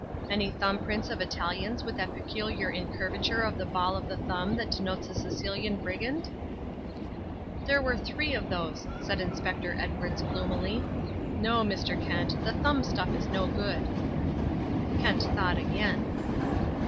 "Any thumb prints of Italians with that peculiar incurvature of the ball of the thumb that denotes a Sicilian brigand?" "There were three of those," said Inspector Edwards gloomily. "No, Mr. Kent, the thumb stuff is no good." Kent thought again.